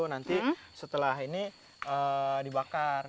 nanti setelah ini dibakar